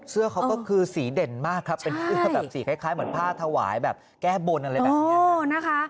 เสื้อเขาก็คือสีเด่นมากครับเป็นเสื้อแบบสีคล้ายเหมือนผ้าถวายแบบแก้บนอะไรแบบนี้นะคะ